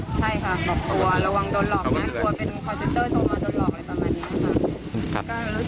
ก็รู้สึกดีใจครับแล้วก็ขอบคุณไทยรัฐที่ให้โอกาสประชาชนขอบคุณค่ะ